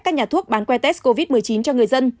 các nhà thuốc bán que test covid một mươi chín cho người dân